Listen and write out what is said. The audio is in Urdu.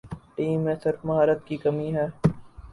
ٹیم میں صرف مہارت کی کمی ہے ۔